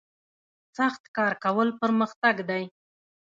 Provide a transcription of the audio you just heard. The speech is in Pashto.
سخت کار کول پرمختګ دی